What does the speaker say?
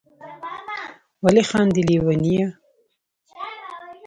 ولي خاندی ليونيه